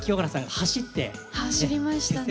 走りましたね。